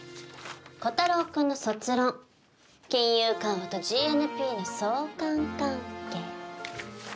炬太郎くんの卒論「金融緩和とＧＮＰの相関関係」。